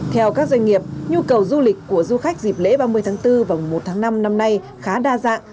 theo các doanh nghiệp nhu cầu du lịch của du khách dịp lễ ba mươi tháng bốn và mùa một tháng năm năm nay khá đa dạng